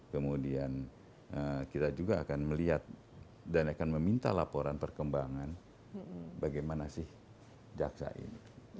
kemudian kita juga akan melihat dan akan meminta laporan perkembangan bagaimana sih jaksa ini